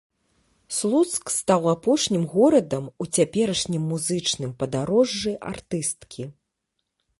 Слуцк стаў апошнім горадам у цяперашнім музычным падарожжы артысткі.